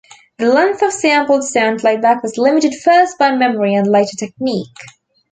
The length of sampled sound playback was limited first by memory and later technique.